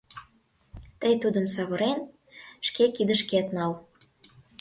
Тый тудым, савырен, шке кидышкет нал...